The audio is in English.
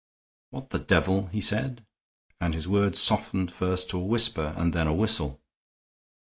"What the devil " he said, and his words softened first to a whisper and then a whistle.